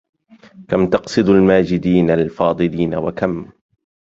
كم تقصد الماجدين الفاضلين وكم